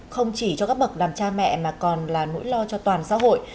không chỉ cho các bậc làm cha mẹ mà còn là nỗi lo cho toàn xã hội